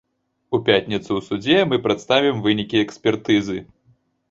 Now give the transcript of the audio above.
У пятніцу ў судзе мы прадставім вынікі экспертызы.